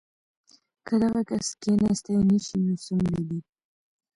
کۀ دغه کس کښېناستے نشي نو څملي دې